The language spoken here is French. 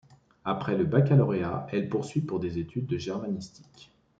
Après le Baccalauréat, elle poursuit par des études de germanistique.